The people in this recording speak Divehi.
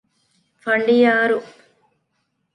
ފަނޑިޔާރު